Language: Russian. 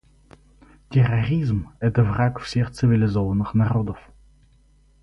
Терроризм — это враг всех цивилизованных народов.